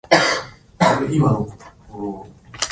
クソクソ